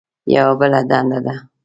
یوه بله دنده ده.